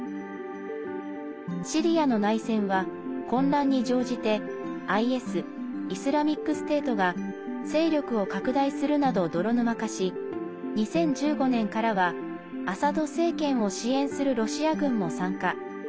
シリアの内戦は、混乱に乗じてＩＳ＝イスラミックステートが勢力を拡大するなど泥沼化し２０１５年からはアサド政権を支援するロシア軍も参加。